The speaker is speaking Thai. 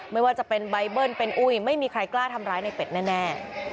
ไม่ว่าจะเป็นใบเบิ้ลเป็นอุ้ยไม่มีใครกล้าทำร้ายในเป็ดแน่